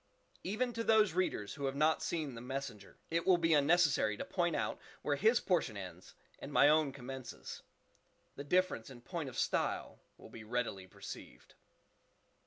Even to those readers who have not seen the "Messenger," it will be unnecessary to point out where his portion ends and my own commences; the difference in point of style will be readily perceived.